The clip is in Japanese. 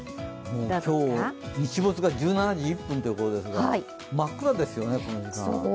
今日、日没が１７時１分ということですが真っ暗ですよね、この時間。